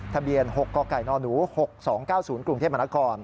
ทะเบียน๖กกน๖๒๙๐กรุงเทพฯมค